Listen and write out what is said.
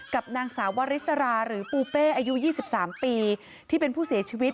กับนางสาววริสราหรือปูเป้อายุ๒๓ปีที่เป็นผู้เสียชีวิต